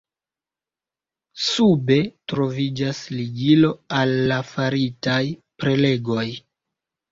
Sube troviĝas ligilo al la faritaj prelegoj.